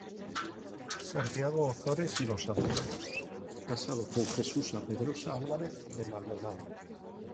Santiago Ozores y Losada, casado con Jesusa Pedrosa Álvarez de Maldonado.